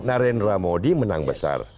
narendra modi menang besar